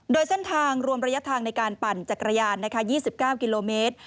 โดยเส้นทางรวมระยะทางในการปั่นจักรยาน๒๙กิโลเมตร